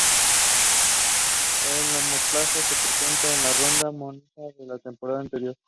El monoplaza se presentó en la ronda de Monza de la temporada anterior.